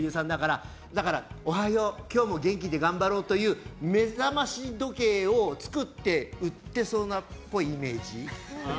だから、おはよう今日も元気で頑張ろうという目覚まし時計を作って売ってそうっぽいイメージ。